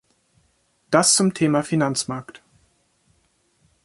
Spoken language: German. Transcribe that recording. Das zum Thema Finanzmarkt.